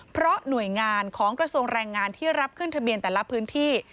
เพราะหน่วยงานของกระทรวงแรงงานที่รับขึ้นทะเบียนแต่ละพื้นที่